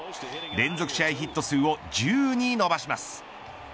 連続試合ヒット数を１０に伸ばします。